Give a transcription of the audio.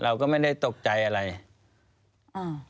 แล้วเขาสร้างเองว่าห้ามเข้าใกล้ลูก